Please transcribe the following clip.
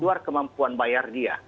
luar kemampuan bayar dia